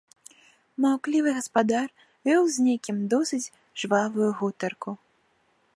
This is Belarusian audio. Маўклівы гаспадар вёў з некім досыць жвавую гутарку.